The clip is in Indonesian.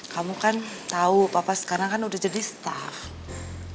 kamu kan tahu papa sekarang kan udah jadi staff